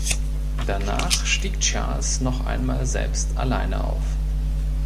Danach stieg Charles noch einmal selbst alleine auf.